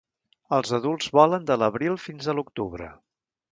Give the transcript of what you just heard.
Els adults volen de l'abril fins a l'octubre.